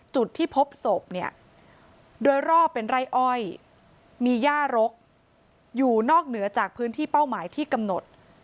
จุดที่พบศพเนี่ยโดยรอบเป็นไร่อ้อยมีย่ารกอยู่นอกเหนือจากพื้นที่เป้าหมายที่กำหนด